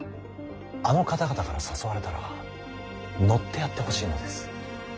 あの方々から誘われたら乗ってやってほしいのです。